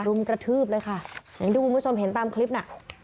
รุมกระทืบเลยค่ะอย่างที่คุณผู้ชมเห็นตามคลิปน่ะ